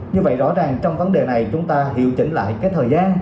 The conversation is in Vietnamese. như vậy rõ ràng trong vấn đề này chúng ta hiệu chỉnh lại cái thời gian